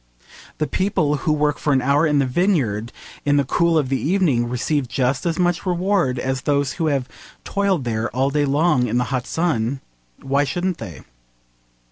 The people who work for an hour in the vineyard in the cool of the evening receive just as much reward as those who have toiled there all day long in the hot sun. Why shouldn't they?